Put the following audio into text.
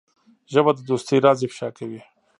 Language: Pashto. ژبه د دوستۍ راز افشا کوي